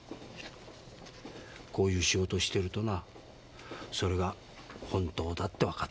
こういう仕事してるとなそれが本当だってわかった。